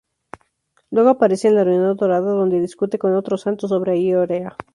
Luego aparece en la reunión dorada donde discute con otros santos sobre Aioria.